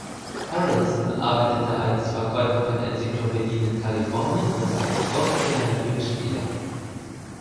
Harrelson arbeitete als Verkäufer von Enzyklopädien in Kalifornien und als professioneller Glücksspieler.